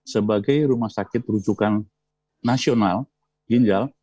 sebagai rumah sakit rujukan nasional ginjal